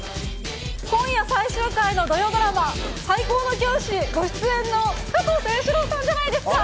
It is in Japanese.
今夜最終回の土曜ドラマ、最高の教師ご出演の加藤清史郎さんじゃないですか。